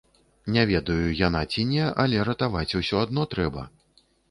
Не ведаю, яна ці не, але ратаваць усё адно трэба.